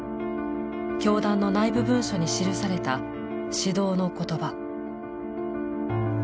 教団の内部文書に記された「指導」の言葉。